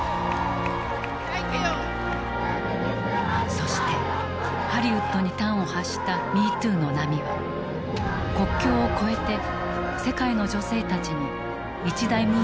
そしてハリウッドに端を発した「ＭｅＴｏｏ」の波は国境を超えて世界の女性たちに一大ムーブメントを巻き起こした。